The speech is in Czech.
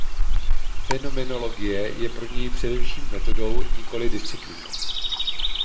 Fenomenologie je pro něj především metodou nikoli disciplínou.